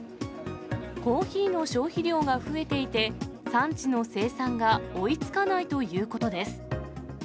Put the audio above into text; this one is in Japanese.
コーヒーの消費量が増えていて、産地の生産が追いつかないということです。